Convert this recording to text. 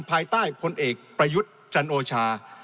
ภายใต้พลเอกประยุทธ์จันโอชา